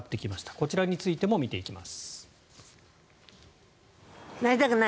こちらについても見ていきます。